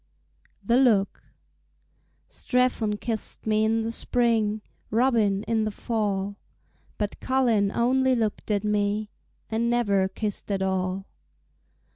The Look Strephon kissed me in the spring, Robin in the fall, But Colin only looked at me And never kissed at all.